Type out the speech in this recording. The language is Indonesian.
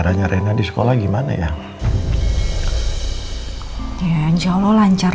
kaya gratuit aurait demat nah